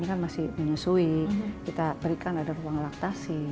ini kan masih menyusui kita berikan ada ruang laktasi